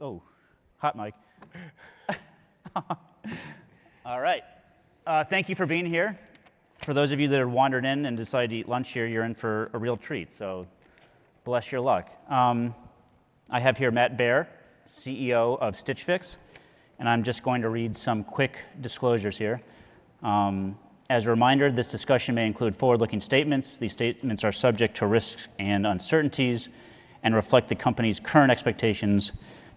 Oh, hi, Mike. All right. Thank you for being here. For those of you that have wandered in and decided to eat lunch here, you're in for a real treat, so bless your luck. I have here Matt Baer, CEO of Stitch Fix, and I'm just going to read some quick disclosures here. As a reminder, this discussion may include forward-looking statements. These statements are subject to risks and uncertainties and reflect the company's current expectations.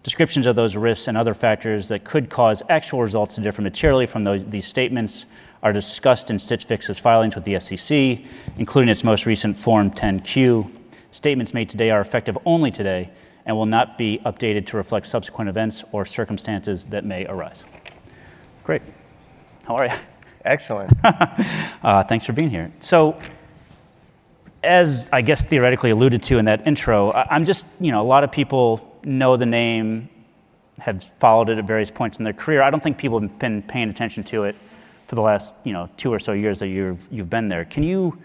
Descriptions of those risks and other factors that could cause actual results to differ materially from these statements are discussed in Stitch Fix's filings with the SEC, including its most recent Form 10-Q. Statements made today are effective only today and will not be updated to reflect subsequent events or circumstances that may arise. Great. How are you? Excellent. Thanks for being here. So, as I guess theoretically alluded to in that intro, I'm just, you know, a lot of people know the name, have followed it at various points in their career. I don't think people have been paying attention to it for the last two or so years that you've been there. Can you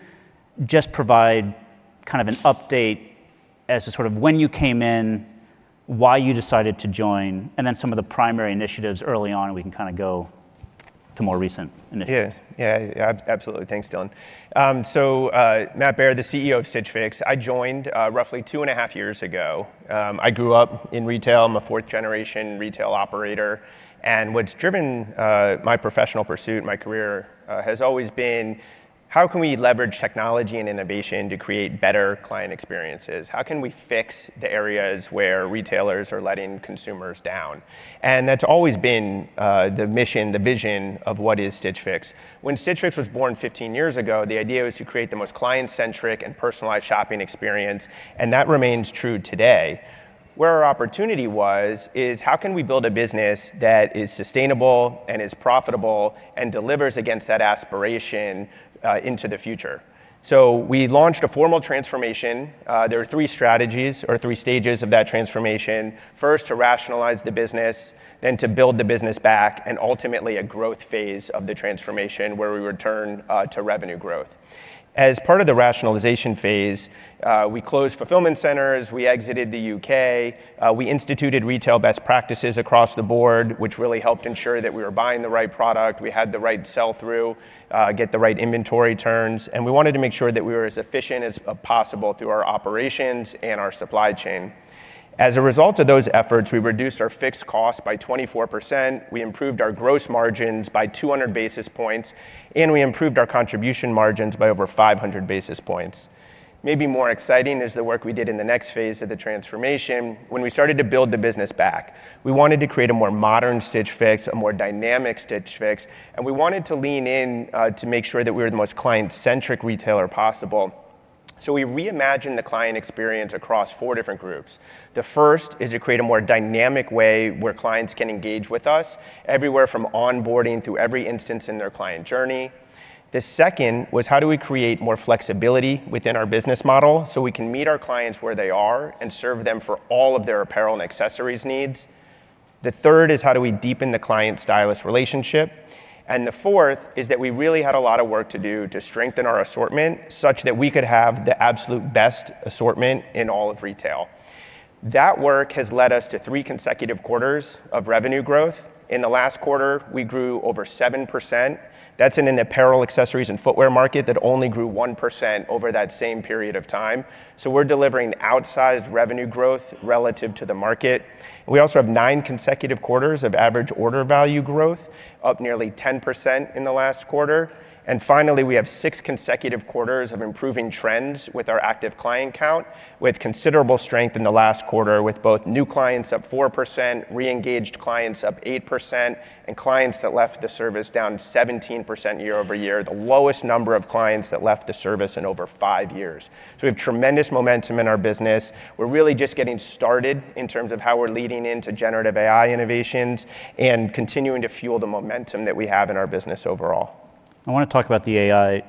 just provide kind of an update as to sort of when you came in, why you decided to join, and then some of the primary initiatives early on? We can kind of go to more recent initiatives. Yeah, yeah, absolutely. Thanks, Dylan. So, Matt Baer, the CEO of Stitch Fix, I joined roughly two and a half years ago. I grew up in retail. I'm a fourth-generation retail operator. And what's driven my professional pursuit, my career, has always been how can we leverage technology and innovation to create better client experiences? How can we fix the areas where retailers are letting consumers down? And that's always been the mission, the vision of what is Stitch Fix. When Stitch Fix was born 15 years ago, the idea was to create the most client-centric and personalized shopping experience, and that remains true today. Where our opportunity was is how can we build a business that is sustainable and is profitable and delivers against that aspiration into the future? So we launched a formal transformation. There were three strategies or three stages of that transformation: first, to rationalize the business, then to build the business back, and ultimately a growth phase of the transformation where we return to revenue growth. As part of the rationalization phase, we closed fulfillment centers, we exited the U.K., we instituted retail best practices across the board, which really helped ensure that we were buying the right product, we had the right sell-through, get the right inventory turns, and we wanted to make sure that we were as efficient as possible through our operations and our supply chain. As a result of those efforts, we reduced our fixed costs by 24%, we improved our gross margins by 200 basis points, and we improved our contribution margins by over 500 basis points. Maybe more exciting is the work we did in the next phase of the transformation. When we started to build the business back, we wanted to create a more modern Stitch Fix, a more dynamic Stitch Fix, and we wanted to lean in to make sure that we were the most client-centric retailer possible. So we reimagined the client experience across four different groups. The first is to create a more dynamic way where clients can engage with us, everywhere from onboarding through every instance in their client journey. The second was how do we create more flexibility within our business model so we can meet our clients where they are and serve them for all of their apparel and accessories needs? The third is how do we deepen the client-stylist relationship? And the fourth is that we really had a lot of work to do to strengthen our assortment such that we could have the absolute best assortment in all of retail. That work has led us to three consecutive quarters of revenue growth. In the last quarter, we grew over 7%. That's in an apparel, accessories, and footwear market that only grew 1% over that same period of time. So we're delivering outsized revenue growth relative to the market. We also have nine consecutive quarters of average order value growth, up nearly 10% in the last quarter. And finally, we have six consecutive quarters of improving trends with our active client count, with considerable strength in the last quarter, with both new clients up 4%, re-engaged clients up 8%, and clients that left the service down 17% year-over-year, the lowest number of clients that left the service in over five years, so we have tremendous momentum in our business. We're really just getting started in terms of how we're leading into generative AI innovations and continuing to fuel the momentum that we have in our business overall. I want to talk about the AI.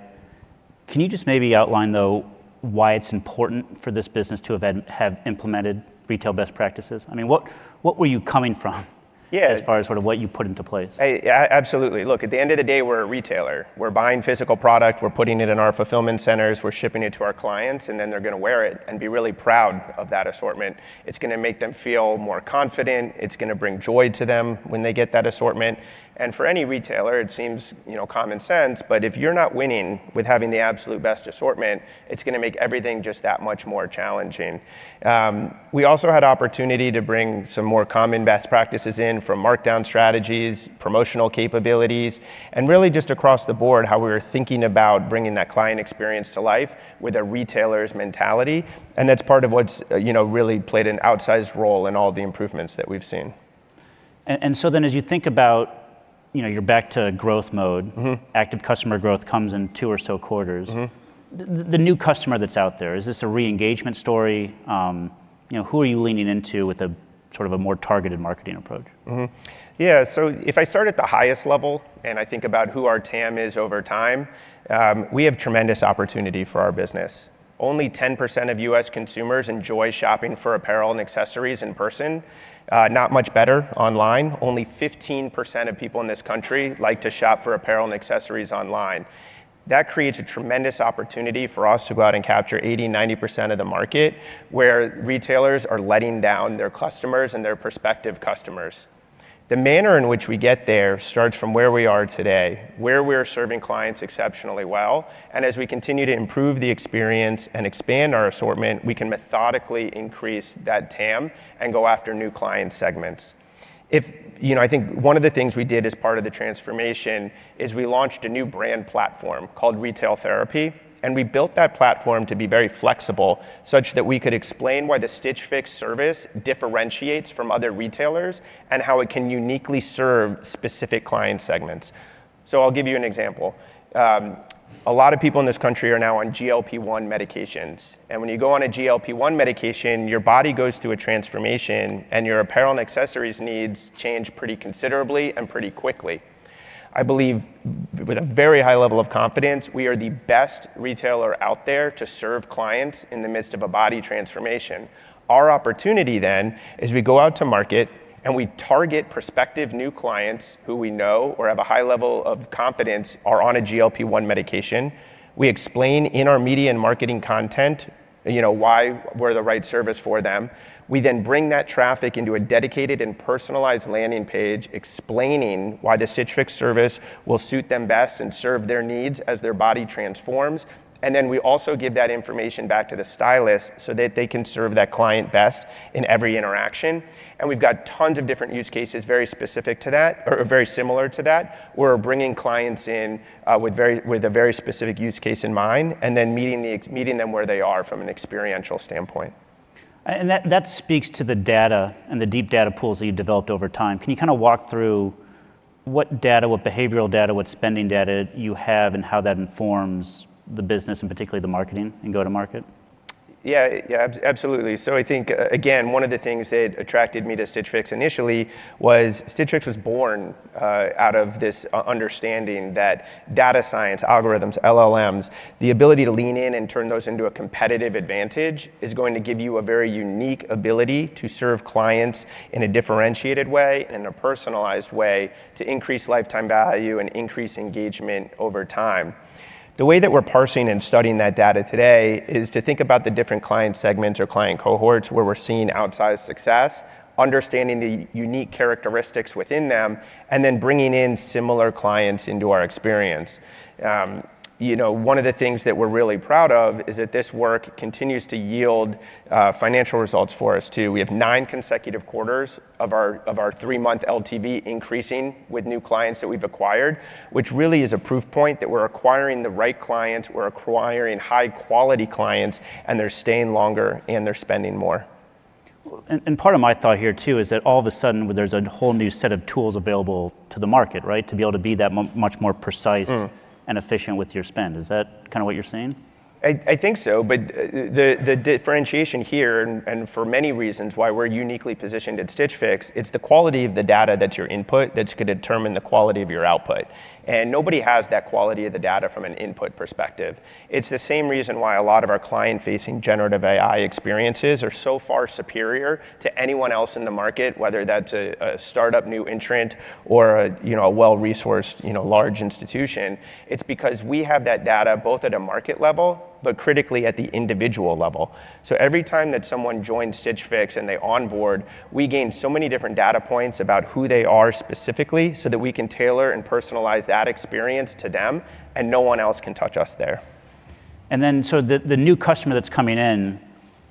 Can you just maybe outline, though, why it's important for this business to have implemented retail best practices? I mean, what were you coming from as far as sort of what you put into place? Absolutely. Look, at the end of the day, we're a retailer. We're buying physical product, we're putting it in our fulfillment centers, we're shipping it to our clients, and then they're going to wear it and be really proud of that assortment. It's going to make them feel more confident, it's going to bring joy to them when they get that assortment. And for any retailer, it seems common sense, but if you're not winning with having the absolute best assortment, it's going to make everything just that much more challenging. We also had the opportunity to bring some more common best practices in from markdown strategies, promotional capabilities, and really just across the board how we were thinking about bringing that client experience to life with a retailer's mentality. And that's part of what's really played an outsized role in all the improvements that we've seen. And so then, as you think about your back-to-growth mode, active customer growth comes in two or so quarters. The new customer that's out there. Is this a re-engagement story? Who are you leaning into with a sort of a more targeted marketing approach? Yeah, so if I start at the highest level and I think about who our TAM is over time, we have tremendous opportunity for our business. Only 10% of U.S. consumers enjoy shopping for apparel and accessories in person. Not much better online. Only 15% of people in this country like to shop for apparel and accessories online. That creates a tremendous opportunity for us to go out and capture 80%, 90% of the market where retailers are letting down their customers and their prospective customers. The manner in which we get there starts from where we are today, where we're serving clients exceptionally well, and as we continue to improve the experience and expand our assortment, we can methodically increase that TAM and go after new client segments. I think one of the things we did as part of the transformation is we launched a new brand platform called Retail Therapy, and we built that platform to be very flexible such that we could explain why the Stitch Fix service differentiates from other retailers and how it can uniquely serve specific client segments. So I'll give you an example. A lot of people in this country are now on GLP-1 medications. And when you go on a GLP-1 medication, your body goes through a transformation and your apparel and accessories needs change pretty considerably and pretty quickly. I believe, with a very high level of confidence, we are the best retailer out there to serve clients in the midst of a body transformation. Our opportunity then is we go out to market and we target prospective new clients who we know or have a high level of confidence are on a GLP-1 medication. We explain in our media and marketing content why we're the right service for them. We then bring that traffic into a dedicated and personalized landing page explaining why the Stitch Fix service will suit them best and serve their needs as their body transforms. And then we also give that information back to the stylist so that they can serve that client best in every interaction. And we've got tons of different use cases very specific to that or very similar to that. We're bringing clients in with a very specific use case in mind and then meeting them where they are from an experiential standpoint. And that speaks to the data and the deep data pools that you developed over time. Can you kind of walk through what data, what behavioral data, what spending data you have and how that informs the business and particularly the marketing and go-to-market? Yeah, yeah, absolutely. So I think, again, one of the things that attracted me to Stitch Fix initially was Stitch Fix was born out of this understanding that data science, algorithms, LLMs, the ability to lean in and turn those into a competitive advantage is going to give you a very unique ability to serve clients in a differentiated way and in a personalized way to increase lifetime value and increase engagement over time. The way that we're parsing and studying that data today is to think about the different client segments or client cohorts where we're seeing outsized success, understanding the unique characteristics within them, and then bringing in similar clients into our experience. One of the things that we're really proud of is that this work continues to yield financial results for us too. We have nine consecutive quarters of our three-month LTV increasing with new clients that we've acquired, which really is a proof point that we're acquiring the right clients, we're acquiring high-quality clients, and they're staying longer and they're spending more. Part of my thought here too is that all of a sudden there's a whole new set of tools available to the market, right, to be able to be that much more precise and efficient with your spend. Is that kind of what you're saying? I think so, but the differentiation here, and for many reasons why we're uniquely positioned at Stitch Fix, it's the quality of the data that's your input that's going to determine the quality of your output, and nobody has that quality of the data from an input perspective. It's the same reason why a lot of our client-facing generative AI experiences are so far superior to anyone else in the market, whether that's a startup, new entrant, or a well-resourced large institution. It's because we have that data both at a market level, but critically at the individual level, so every time that someone joins Stitch Fix and they onboard, we gain so many different data points about who they are specifically so that we can tailor and personalize that experience to them, and no one else can touch us there. And then, so the new client that's coming in,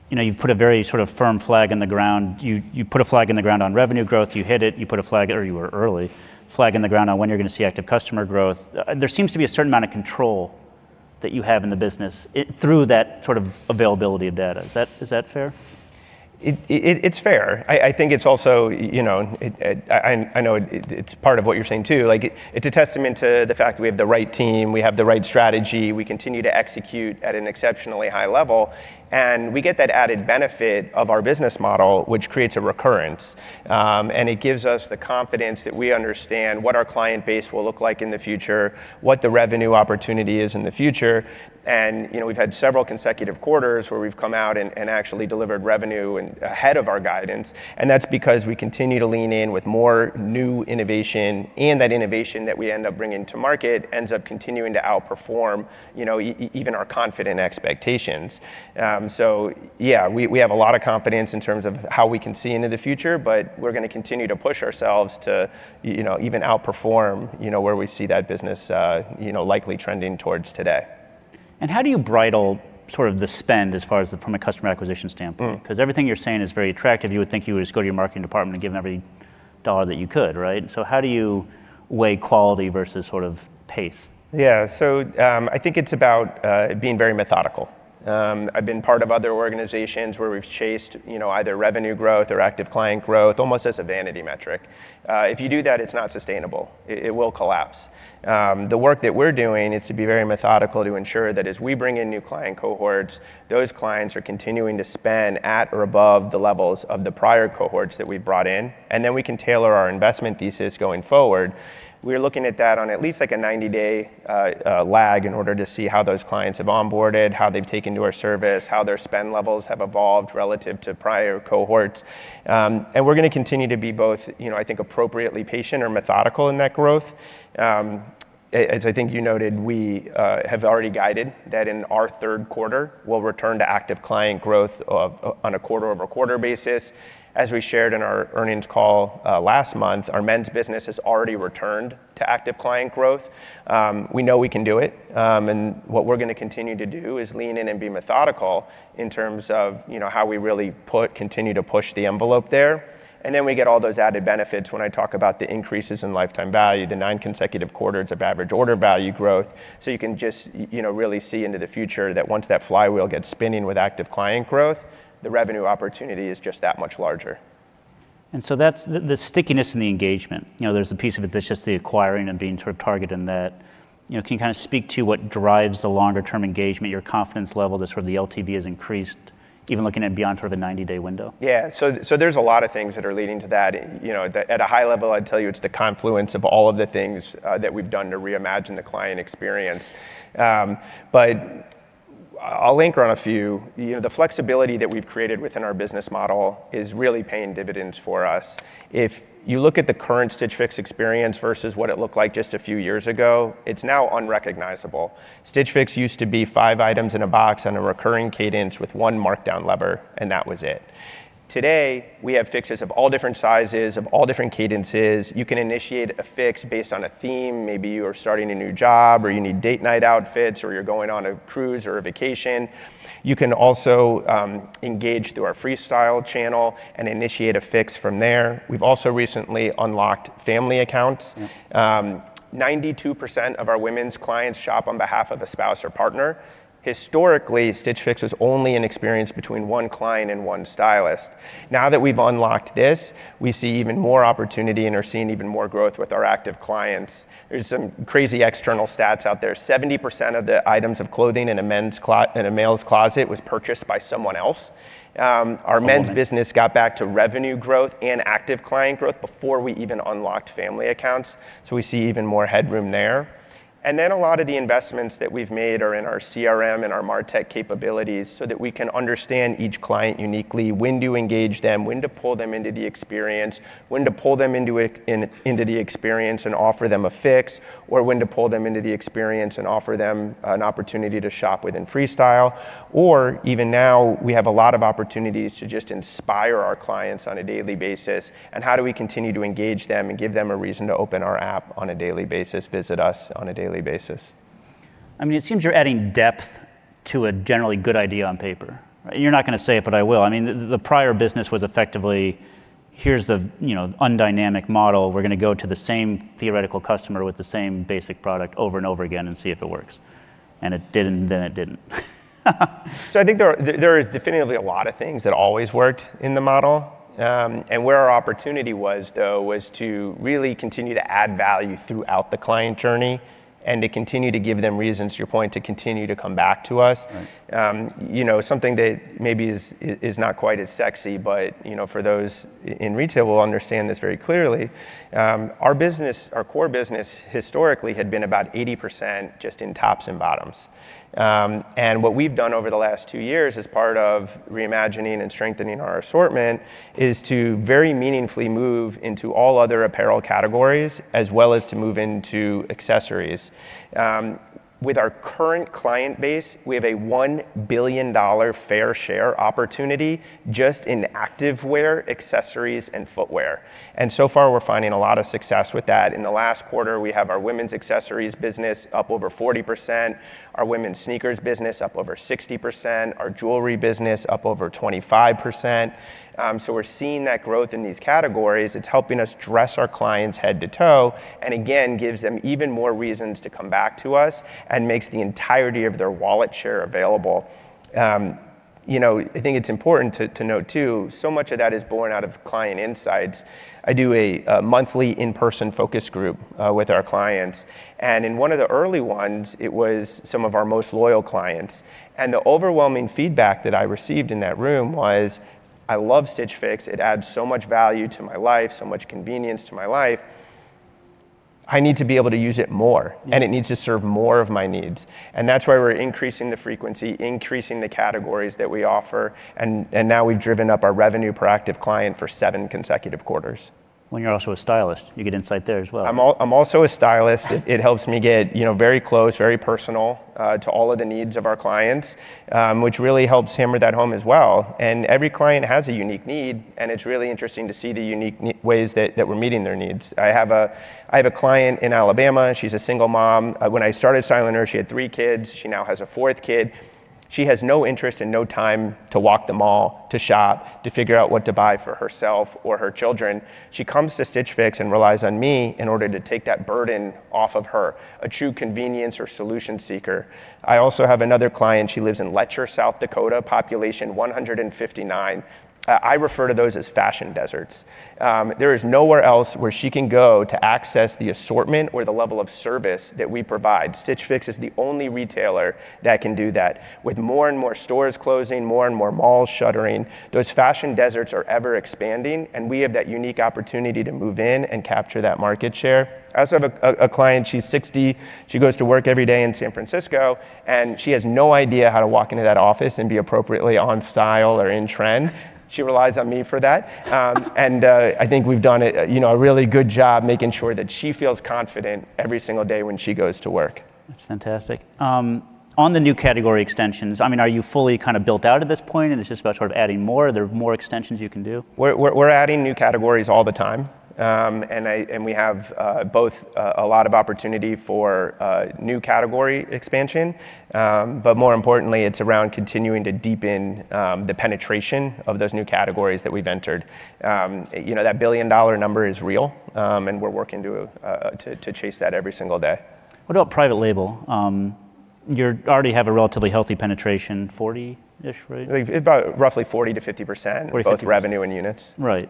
you've put a very sort of firm flag in the ground. You put a flag in the ground on revenue growth, you hit it, you put a flag, or you were early, flag in the ground on when you're going to see active client growth. There seems to be a certain amount of control that you have in the business through that sort of availability of data. Is that fair? It's fair. I think it's also, I know it's part of what you're saying too. It's a testament to the fact that we have the right team, we have the right strategy, we continue to execute at an exceptionally high level, and we get that added benefit of our business model, which creates a recurrence. And it gives us the confidence that we understand what our client base will look like in the future, what the revenue opportunity is in the future. And we've had several consecutive quarters where we've come out and actually delivered revenue ahead of our guidance. And that's because we continue to lean in with more new innovation, and that innovation that we end up bringing to market ends up continuing to outperform even our confident expectations. So yeah, we have a lot of confidence in terms of how we can see into the future, but we're going to continue to push ourselves to even outperform where we see that business likely trending towards today. How do you bridle sort of the spend as far as from a customer acquisition standpoint? Because everything you're saying is very attractive. You would think you would just go to your marketing department and give them every dollar that you could, right? How do you weigh quality versus sort of pace? Yeah, so I think it's about being very methodical. I've been part of other organizations where we've chased either revenue growth or active client growth almost as a vanity metric. If you do that, it's not sustainable. It will collapse. The work that we're doing is to be very methodical to ensure that as we bring in new client cohorts, those clients are continuing to spend at or above the levels of the prior cohorts that we brought in, and then we can tailor our investment thesis going forward. We're looking at that on at least like a 90-day lag in order to see how those clients have onboarded, how they've taken to our service, how their spend levels have evolved relative to prior cohorts, and we're going to continue to be both, I think, appropriately patient or methodical in that growth. As I think you noted, we have already guided that in our third quarter, we'll return to active client growth on a quarter-over-quarter basis. As we shared in our earnings call last month, our men's business has already returned to active client growth. We know we can do it. And what we're going to continue to do is lean in and be methodical in terms of how we really continue to push the envelope there. And then we get all those added benefits when I talk about the increases in lifetime value, the nine consecutive quarters of average order value growth. So you can just really see into the future that once that flywheel gets spinning with active client growth, the revenue opportunity is just that much larger. And so that's the stickiness in the engagement. There's a piece of it that's just the acquiring and being sort of targeted in that. Can you kind of speak to what drives the longer-term engagement, your confidence level that sort of the LTV has increased, even looking at beyond sort of the 90-day window? Yeah, so there's a lot of things that are leading to that. At a high level, I'd tell you it's the confluence of all of the things that we've done to reimagine the client experience. But I'll anchor on a few. The flexibility that we've created within our business model is really paying dividends for us. If you look at the current Stitch Fix experience versus what it looked like just a few years ago, it's now unrecognizable. Stitch Fix used to be five items in a box on a recurring cadence with one markdown lever, and that was it. Today, we have Fixes of all different sizes, of all different cadences. You can initiate a fix based on a theme. Maybe you are starting a new job or you need date night outfits or you're going on a cruise or a vacation. You can also engage through our Freestyle channel and initiate a Fix from there. We've also recently unlocked family accounts. 92% of our women's clients shop on behalf of a spouse or partner. Historically, Stitch Fix was only an experience between one client and one stylist. Now that we've unlocked this, we see even more opportunity and are seeing even more growth with our active clients. There's some crazy external stats out there. 70% of the items of clothing in a men's closet was purchased by someone else. Our men's business got back to revenue growth and active client growth before we even unlocked family accounts. So we see even more headroom there. And then a lot of the investments that we've made are in our CRM and our martech capabilities so that we can understand each client uniquely, when to engage them, when to pull them into the experience, when to pull them into the experience and offer them a Fix, or when to pull them into the experience and offer them an opportunity to shop within Freestyle. Or even now, we have a lot of opportunities to just inspire our clients on a daily basis. And how do we continue to engage them and give them a reason to open our app on a daily basis, visit us on a daily basis? I mean, it seems you're adding depth to a generally good idea on paper. You're not going to say it, but I will. I mean, the prior business was effectively, here's the undynamic model. We're going to go to the same theoretical customer with the same basic product over and over again and see if it works, and it didn't, then it didn't. I think there is definitely a lot of things that always worked in the model. And where our opportunity was, though, was to really continue to add value throughout the client journey and to continue to give them reasons, to your point, to continue to come back to us. Something that maybe is not quite as sexy, but for those in retail who understand this very clearly, our core business historically had been about 80% just in tops and bottoms. And what we've done over the last two years as part of reimagining and strengthening our assortment is to very meaningfully move into all other apparel categories as well as to move into accessories. With our current client base, we have a $1 billion fair share opportunity just in activewear, accessories, and footwear. And so far, we're finding a lot of success with that. In the last quarter, we have our women's accessories business up over 40%, our women's sneakers business up over 60%, our jewelry business up over 25%. So we're seeing that growth in these categories. It's helping us dress our clients head to toe and again, gives them even more reasons to come back to us and makes the entirety of their wallet share available. I think it's important to note too, so much of that is born out of client insights. I do a monthly in-person focus group with our clients, and in one of the early ones, it was some of our most loyal clients, and the overwhelming feedback that I received in that room was, "I love Stitch Fix. It adds so much value to my life, so much convenience to my life. I need to be able to use it more, and it needs to serve more of my needs." And that's why we're increasing the frequency, increasing the categories that we offer. And now we've driven up our revenue per active client for seven consecutive quarters. When you're also a stylist, you get insight there as well. I'm also a stylist. It helps me get very close, very personal to all of the needs of our clients, which really helps hammer that home as well. And every client has a unique need, and it's really interesting to see the unique ways that we're meeting their needs. I have a client in Alabama. She's a single mom. When I started styling her, she had three kids. She now has a fourth kid. She has no interest and no time to walk the mall, to shop, to figure out what to buy for herself or her children. She comes to Stitch Fix and relies on me in order to take that burden off of her, a true convenience or solution seeker. I also have another client. She lives in Letcher, South Dakota, population 159. I refer to those as fashion deserts. There is nowhere else where she can go to access the assortment or the level of service that we provide. Stitch Fix is the only retailer that can do that. With more and more stores closing, more and more malls shuttering, those fashion deserts are ever expanding, and we have that unique opportunity to move in and capture that market share. I also have a client. She's 60. She goes to work every day in San Francisco, and she has no idea how to walk into that office and be appropriately on style or in trend. She relies on me for that. And I think we've done a really good job making sure that she feels confident every single day when she goes to work. That's fantastic. On the new category extensions, I mean, are you fully kind of built out at this point? And it's just about sort of adding more. Are there more extensions you can do? We're adding new categories all the time, and we have both a lot of opportunity for new category expansion, but more importantly, it's around continuing to deepen the penetration of those new categories that we've entered. That billion-dollar number is real, and we're working to chase that every single day. What about private label? You already have a relatively healthy penetration, 40-ish, right? About roughly 40%-50% with revenue and units. Right.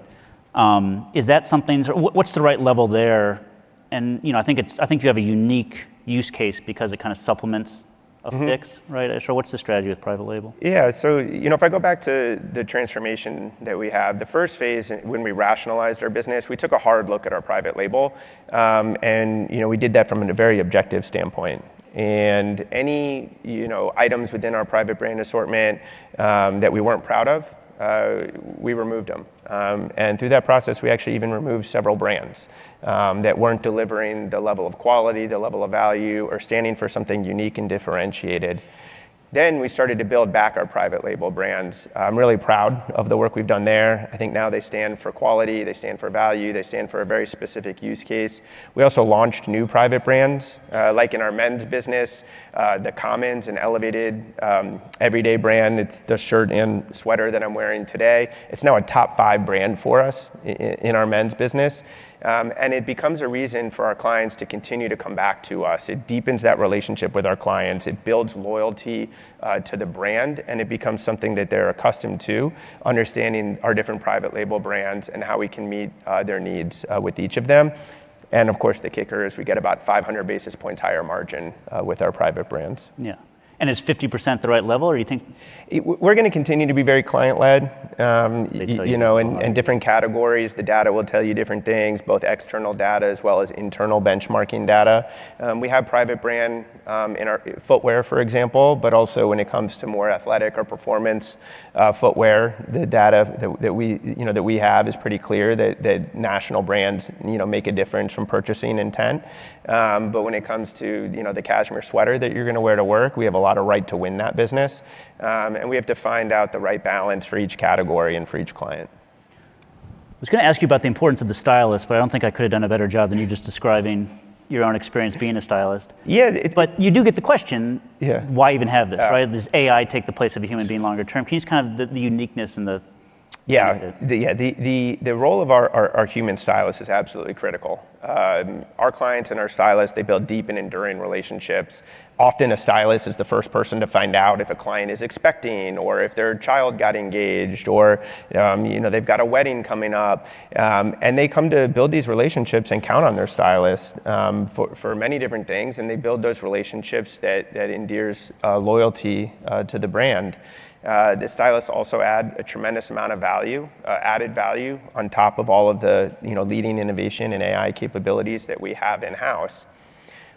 Is that something? What's the right level there? And I think you have a unique use case because it kind of supplements a Fix, right? So what's the strategy with private label? Yeah. So if I go back to the transformation that we have, the first phase when we rationalized our business, we took a hard look at our private label. And we did that from a very objective standpoint. And any items within our private brand assortment that we weren't proud of, we removed them. And through that process, we actually even removed several brands that weren't delivering the level of quality, the level of value, or standing for something unique and differentiated. Then we started to build back our private label brands. I'm really proud of the work we've done there. I think now they stand for quality. They stand for value. They stand for a very specific use case. We also launched new private brands, like in our men's business, The Commons, an elevated everyday brand. It's the shirt and sweater that I'm wearing today. It's now a top five brand for us in our men's business. And it becomes a reason for our clients to continue to come back to us. It deepens that relationship with our clients. It builds loyalty to the brand, and it becomes something that they're accustomed to, understanding our different private label brands and how we can meet their needs with each of them. And of course, the kicker is we get about 500 basis points higher margin with our private brands. Yeah, and is 50% the right level or do you think? We're going to continue to be very client-led in different categories. The data will tell you different things, both external data as well as internal benchmarking data. We have private brand in our footwear, for example, but also when it comes to more athletic or performance footwear, the data that we have is pretty clear that national brands make a difference from purchasing intent. But when it comes to the cashmere sweater that you're going to wear to work, we have a lot of right to win that business, and we have to find out the right balance for each category and for each client. I was going to ask you about the importance of the stylist, but I don't think I could have done a better job than you just describing your own experience being a stylist. Yeah. But you do get the question, why even have this, right? Does AI take the place of a human being longer term? Can you just kind of the uniqueness and the... Yeah. Yeah. The role of our human stylist is absolutely critical. Our clients and our stylists, they build deep and enduring relationships. Often a stylist is the first person to find out if a client is expecting or if their child got engaged or they've got a wedding coming up. And they come to build these relationships and count on their stylist for many different things. And they build those relationships that endears loyalty to the brand. The stylists also add a tremendous amount of value, added value on top of all of the leading innovation and AI capabilities that we have in-house.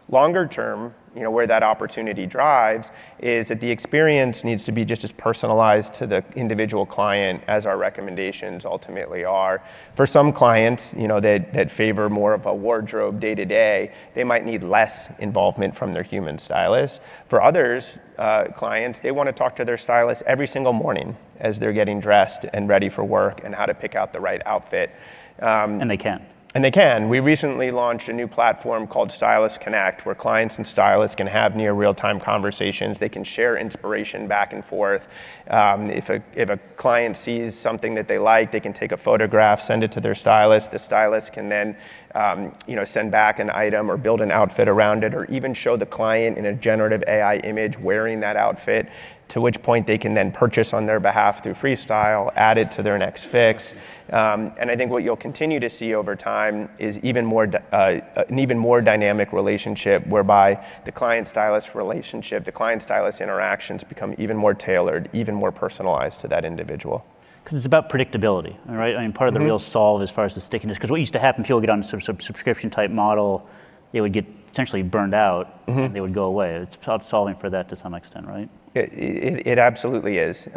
Longer term, where that opportunity drives is that the experience needs to be just as personalized to the individual client as our recommendations ultimately are. For some clients that favor more of a wardrobe day-to-day, they might need less involvement from their human stylist. For other clients, they want to talk to their stylist every single morning as they're getting dressed and ready for work and how to pick out the right outfit. They can. They can. We recently launched a new platform called Stylist Connect where clients and stylists can have near real-time conversations. They can share inspiration back and forth. If a client sees something that they like, they can take a photograph, send it to their stylist. The stylist can then send back an item or build an outfit around it or even show the client in a generative AI image wearing that outfit, at which point they can then purchase on their behalf through Freestyle, add it to their next Fix. I think what you'll continue to see over time is an even more dynamic relationship whereby the client-stylist relationship, the client-stylist interactions become even more tailored, even more personalized to that individual. Because it's about predictability, right? I mean, part of the real solve as far as the stickiness. Because what used to happen if you all get on a subscription-type model, they would get potentially burned out. They would go away. It's about solving for that to some extent, right? It absolutely is.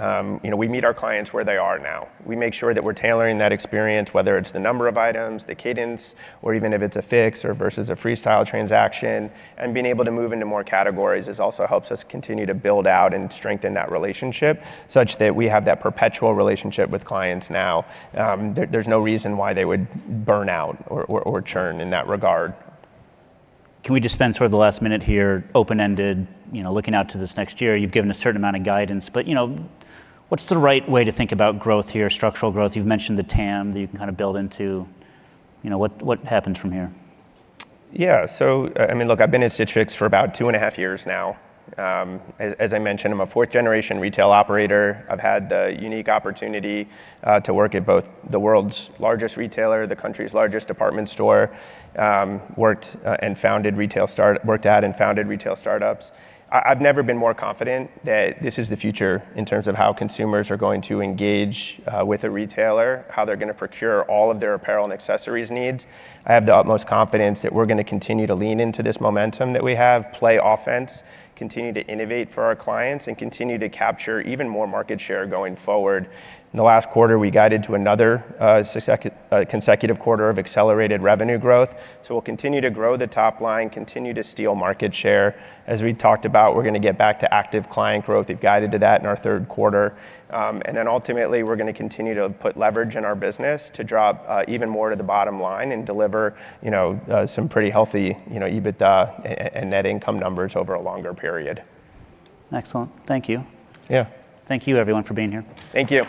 We meet our clients where they are now. We make sure that we're tailoring that experience, whether it's the number of items, the cadence, or even if it's a Fix versus a Freestyle transaction. And being able to move into more categories also helps us continue to build out and strengthen that relationship such that we have that perpetual relationship with clients now. There's no reason why they would burn out or churn in that regard. Can we dispense for the last minute here, open-ended, looking out to this next year? You've given a certain amount of guidance, but what's the right way to think about growth here, structural growth? You've mentioned the TAM that you can kind of build into. What happens from here? Yeah. So I mean, look, I've been at Stitch Fix for about two and a half years now. As I mentioned, I'm a fourth-generation retail operator. I've had the unique opportunity to work at both the world's largest retailer, the country's largest department store, worked at and founded retail startups. I've never been more confident that this is the future in terms of how consumers are going to engage with a retailer, how they're going to procure all of their apparel and accessories needs. I have the utmost confidence that we're going to continue to lean into this momentum that we have, play offense, continue to innovate for our clients, and continue to capture even more market share going forward. In the last quarter, we guided to another consecutive quarter of accelerated revenue growth. We'll continue to grow the top line, continue to steal market share. As we talked about, we're going to get back to active client growth. We've guided to that in our third quarter. And then ultimately, we're going to continue to put leverage in our business to drop even more to the bottom line and deliver some pretty healthy EBITDA and net income numbers over a longer period. Excellent. Thank you. Yeah. Thank you, everyone, for being here. Thank you.